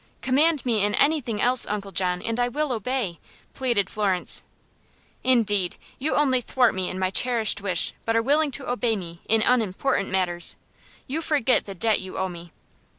"Command me in anything else, Uncle John, and I will obey," pleaded Florence. "Indeed! You only thwart me in my cherished wish, but are willing to obey me in unimportant matters. You forget the debt you owe me."